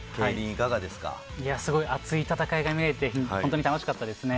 いや、すごい熱い戦いが見れて、本当に楽しかったですね。